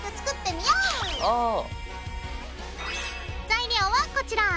材料はこちら！